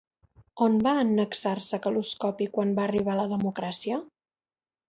On va annexar-se Kaloskopi quan va arribar la democràcia?